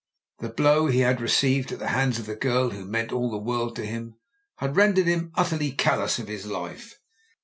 The blow he had received at the hands of the girl who meant all the world to him had rendered him ut terly callous of his life.